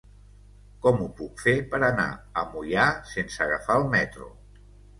Com ho puc fer per anar a Moià sense agafar el metro?